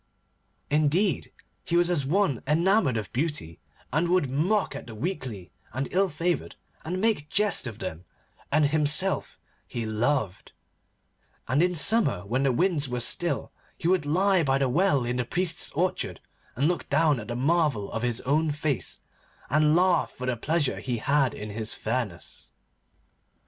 Indeed, he was as one enamoured of beauty, and would mock at the weakly and ill favoured, and make jest of them; and himself he loved, and in summer, when the winds were still, he would lie by the well in the priest's orchard and look down at the marvel of his own face, and laugh for the pleasure he had in his fairness.